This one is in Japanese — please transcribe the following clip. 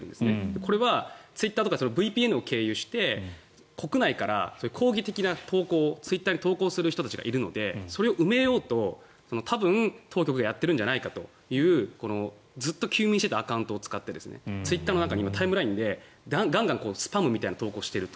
これはツイッターとかＶＰＮを経由して国内から抗議的な投稿ツイッターを投稿する人たちがいるのでそれを埋めようと多分、当局がやってるんじゃないかというずっと休眠していたアカウントを使ってツイッターの中にタイムラインでガンガン、スパムみたいな投稿をしていると。